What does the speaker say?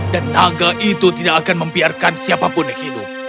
dan naga itu tidak akan membiarkan siapapun yang menang